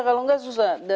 kalau enggak susah